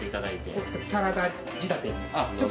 サラダ仕立てに。